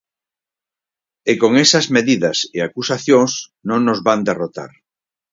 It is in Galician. E con esas medidas e acusacións non nos van derrotar.